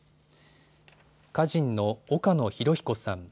歌人の岡野弘彦さん。